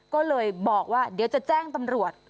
ก็เลยบอกว่าเดี๋ยวจะแจ้งตำรวจ